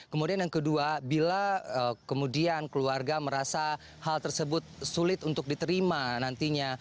kemudian yang kedua bila kemudian keluarga merasa hal tersebut sulit untuk diterima nantinya